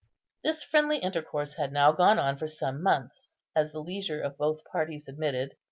This friendly intercourse had now gone on for some months, as the leisure of both parties admitted.